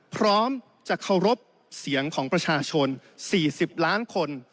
พร้อมจะเคารพเสียงของประชาชน๔๐ล้านคน